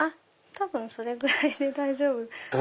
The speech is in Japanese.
多分それぐらいで大丈夫。